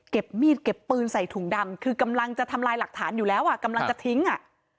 มีดเก็บปืนใส่ถุงดำคือกำลังจะทำลายหลักฐานอยู่แล้วอ่ะกำลังจะทิ้งอ่ะ